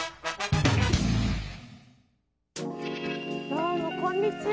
どうもこんにちは。